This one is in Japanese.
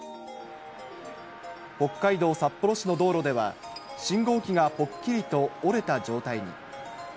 北海道札幌市の道路では、信号機がぽっきりと折れた状態に。